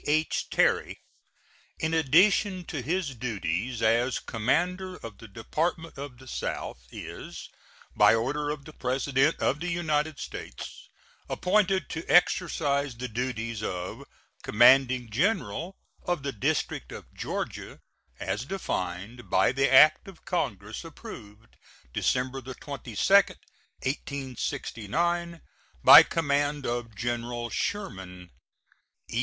H. Terry, in addition to his duties as commander of the Department of the South, is, by order of the President of the United States, appointed to exercise the duties of commanding general of the District of Georgia, as defined by the act of Congress approved December 22, 1869. By command of General Sherman: E.